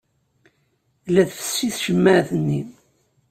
La tfessi tcemmaɛt-nni.